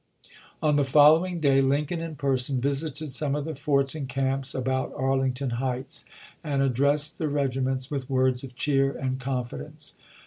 On the fol n.,p. 756.' lowing day Lincoln in person visited some of the forts and camps about Arlington Heights, and addressed the regiments with words of cheer and confidence.